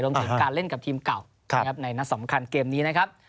รวมถึงการเล่นกับทีมเก่าในนัดสำคัญเกมนี้นะครับ